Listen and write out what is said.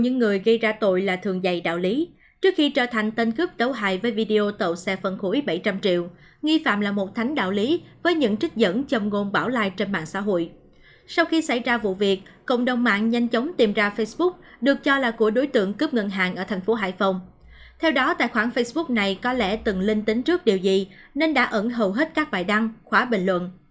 nói tài khoản facebook này có lẽ từng linh tính trước điều gì nên đã ẩn hầu hết các bài đăng khóa bình luận